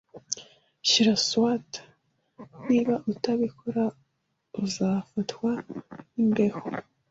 Shyira swater. Niba utabikora, uzafatwa n'imbeho.